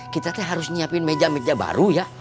kita tuh harus nyiapin meja meja baru ya